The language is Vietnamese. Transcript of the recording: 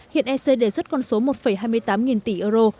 hiện ec đề xuất con số một hai mươi tám nghìn tỷ euro